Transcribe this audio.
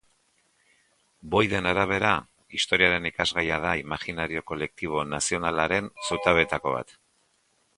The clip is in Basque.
Boyd-en arabera, historiaren ikasgaia da imaginario kolektibo nazionalaren zutabeetako bat.